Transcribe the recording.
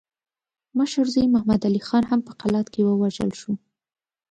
مشر زوی محمد علي خان هم په قلات کې ووژل شو.